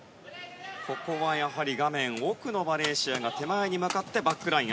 ここはやはり画面奥のマレーシアが手前に向かってバックライン。